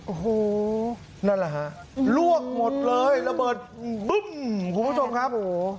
โอ้โหนั่นแหละฮะลวกหมดเลยระเบิดบึ้มคุณผู้ชมครับโอ้โห